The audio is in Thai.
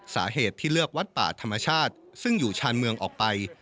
สาเหตุที่เลือกวัดป่าธรรมชาติซึ่งอยู่ชานเมืองออกไป